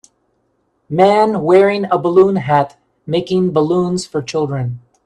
Man wearing a balloon hat making balloons for children.